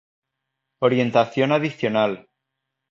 Orientación adicional